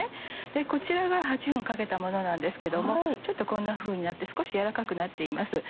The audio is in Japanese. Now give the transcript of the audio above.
こちらが８分かけたものなんですけどもちょっとこんなふうになって少し軟らかくなっています。